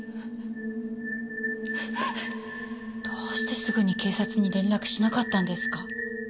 どうしてすぐに警察に連絡しなかったんですか？